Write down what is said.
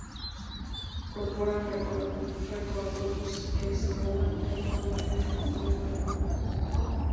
Corporán recordó su eslogan ´´del nueve nadie me mueve´´.